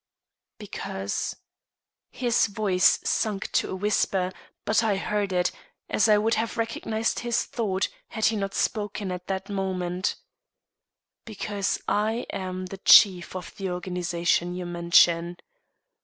"Because" his voice sunk to a whisper, but I heard it, as I would have recognized his thought had he not spoken at that moment "because I am the chief of the organization you mention.